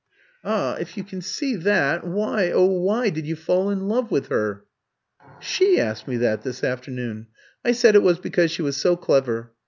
"Ah, if you can see that, why, oh why, did you fall in love with her?" "She asked me that this afternoon. I said it was because she was so clever.